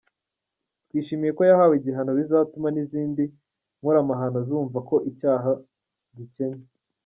Twishimiye ko yahawe igihano bizatuma n’izindi nkoramahano zumva ko icyaha gikenya.